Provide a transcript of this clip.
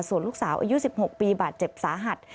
ส่วนลูกสาวอายุ๑๖ปีบาดเจ็บสาหัส